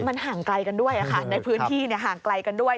มันห่างไกลกันด้วยในพื้นที่ห่างไกลกันด้วย